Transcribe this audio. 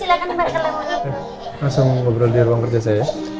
langsung ngobrol di ruang kerja saya ya